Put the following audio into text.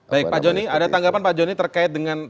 baik pak joni ada tanggapan pak joni terkait dengan